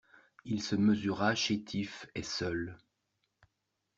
Il se mesura chétif et seul.